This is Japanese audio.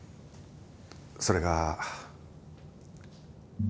それが。